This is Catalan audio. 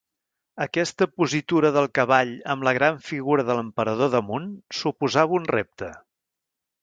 Aquesta positura del cavall amb la gran figura de l'emperador damunt suposava un repte.